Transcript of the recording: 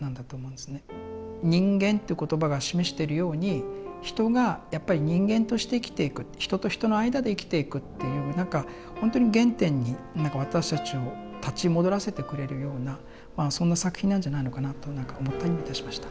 「人間」という言葉が示してるように人がやっぱり人間として生きていく人と人の間で生きていくっていう何かほんとに原点に私たちを立ち戻らせてくれるようなそんな作品なんじゃないのかなと何か思ったりもいたしました。